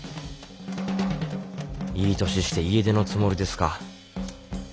いい年して家出のつもりですか？